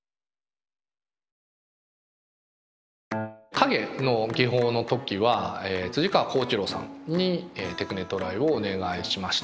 影の技法の時は川幸一郎さんにテクネ・トライをお願いしました。